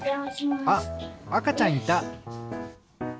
あっあかちゃんいた。